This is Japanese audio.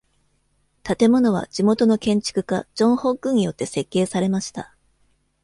建物は地元の建築家ジョン・ホッグによって設計されました。